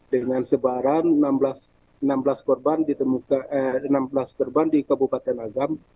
dengan sebaran enam belas korban di kabupaten agam